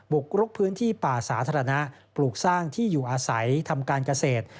กรุกพื้นที่ป่าสาธารณะปลูกสร้างที่อยู่อาศัยทำการเกษตร